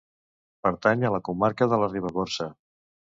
Pertany a la comarca de la Ribagorça.